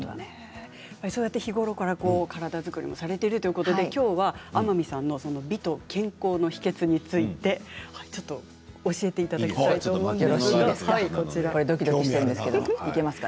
そんな日頃から体作りもされているということできょうは天海さんの美と健康の秘けつについて教えていただきたいと思います。